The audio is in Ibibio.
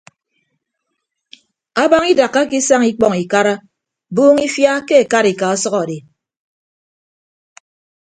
Abañ idakkake isañ ikpọñ ikara buuñ ifia ke ekarika ọsʌk adi.